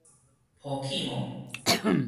抱去瘼